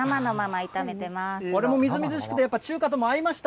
これもみずみずしくて、やはり中華とも合いました。